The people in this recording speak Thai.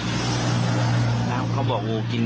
นี่คนลุกมันหยาบจริง